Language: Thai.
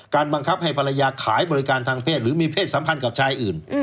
บังคับให้ภรรยาขายบริการทางเพศหรือมีเพศสัมพันธ์กับชายอื่น